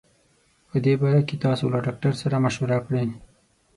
په دي باره کي تاسو له ډاکټر سره مشوره کړي